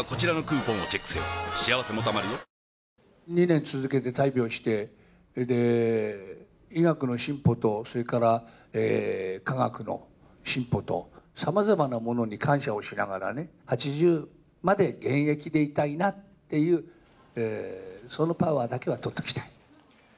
２年続けて大病して、それで医学の進歩と、それから科学の進歩と、さまざまなものに感謝をしながらね、８０まで現役でいたいなっていう、そのパワーだけはとっておきたい。